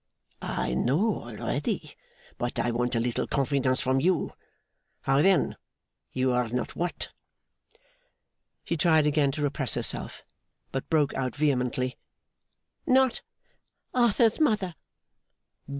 I know already, but I want a little confidence from you. How, then? You are not what?' She tried again to repress herself, but broke out vehemently, 'Not Arthur's mother!